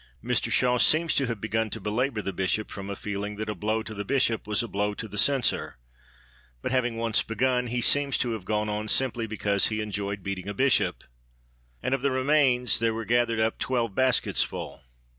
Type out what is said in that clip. Mr Shaw seems to have begun to belabour the Bishop from a feeling that a blow to the Bishop was a blow to the Censor, but having once begun, he seems to have gone on simply because he enjoyed beating a Bishop. And of the remains there were gathered up twelve basketsful.